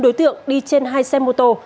bốn đối tượng đi trên hai xe mô tô